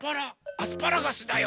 アスパラガスだよ！